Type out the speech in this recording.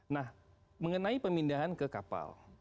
nah mengenai pemindahan ke kapal